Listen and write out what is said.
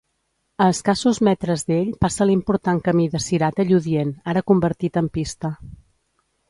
A escassos metres d'ell passa l'important camí de Cirat a Lludient, ara convertit en pista.